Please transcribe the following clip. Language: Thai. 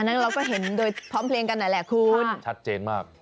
นั้นเราก็เห็นโดยพร้อมเพลงกันหน่อยแหละคุณชัดเจนมาก